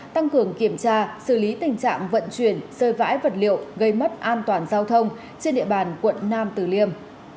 tăng cường kiểm tra xử lý tình trạng vận chuyển rơi vãi vật liệu gây mất an toàn giao thông trên địa bàn quận nam tử liêm